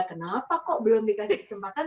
kenapa kok belum dikasih kesempatan